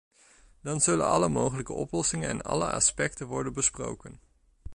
Dan zullen alle mogelijke oplossingen en alle aspecten worden besproken.